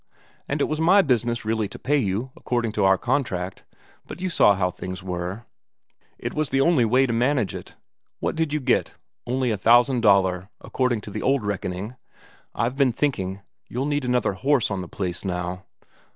And it was my business really to pay you, according to our contract; but you saw how things were it was the only way to manage it. What did you get? Only a thousand Daler, according to the old reckoning. I've been thinking, you'll need another horse on the place now."